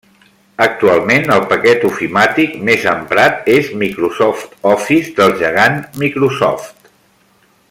Actualment el paquet ofimàtic més emprat és Microsoft Office, del gegant Microsoft.